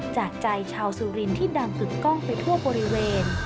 จากใจชาวสุรินที่ดังสุดกล้องไปทั่วบริเวณ